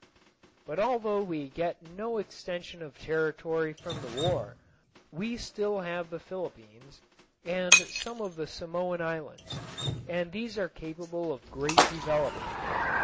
But although we get no extension of territory from the war we still have the Philippines and some of the Samoan Islands, and these are capable of great development.